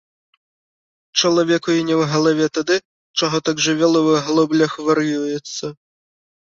Чалавеку і не ў галаве тады, чаго так жывёла ў аглоблях вар'юецца.